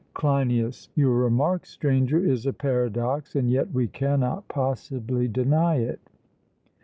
CLEINIAS: Your remark, Stranger, is a paradox, and yet we cannot possibly deny it.